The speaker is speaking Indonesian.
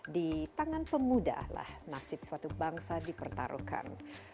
di tangan pemuda lah nasib suatu bangsa dipertaruhkan